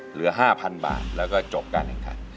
เหลือ๕๐๐๐บาทแล้วก็จบการแข่งขัน